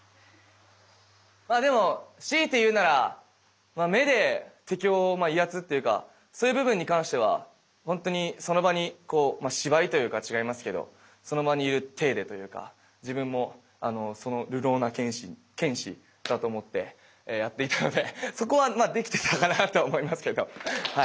まあでも強いて言うなら目で敵を威圧っていうかそういう部分に関してはほんとにその場にこう芝居というか違いますけどその場にいる体でというか自分もその流浪な剣士だと思ってやっていたのでそこはできてたかなと思いますけどはい。